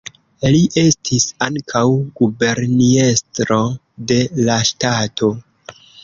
Li estis ankaŭ guberniestro de la ŝtato.